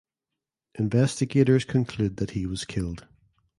Investigators conclude that he was killed.